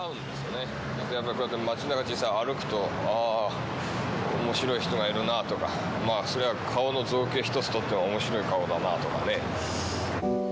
やっぱりこうやって街なか実際歩くとあぁ面白い人がいるなぁとかまぁそりゃ顔の造形一つとっても面白い顔だなぁとかね